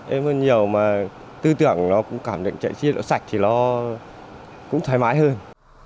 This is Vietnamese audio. êm hơn nhiều mà tư tưởng nó cũng cảm nhận chạy xe đó sạch thì nó cũng thoải mái hơn